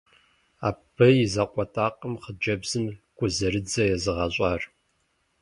Абы и закъуэтэкъым хъыджэбзым гузэрыдзэ езыгъэщӏар.